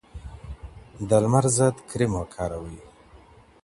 د لمر ضد کریم وکاروئ.